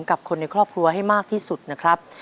กับคนในครอบครัวให้มากที่สุดนะครับ